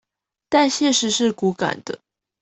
但現實是骨感的